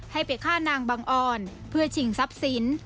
ให้เปรียกฆ่านางบังออนเพื่อฉิงทรัพย์ศิลป์